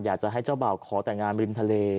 อยากจะให้เจ้าบ่าวขอแต่งงานริมทะเล